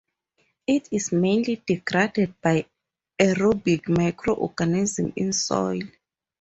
It is mainly degraded by aerobic microorganisms in soils.